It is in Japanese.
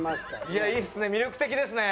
いいですね。